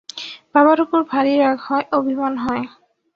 বাবার উপর ভারি রাগ হয়, অভিমান হয়।